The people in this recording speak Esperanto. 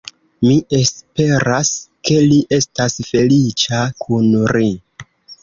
Mi esperas ke li estas feliĉa kun ri.